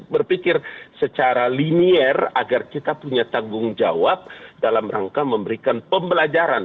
berpikir secara linier agar kita punya tanggung jawab dalam rangka memberikan pembelajaran